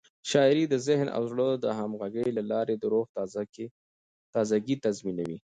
شاعري د ذهن او زړه د همغږۍ له لارې د روح تازه ګي تضمینوي.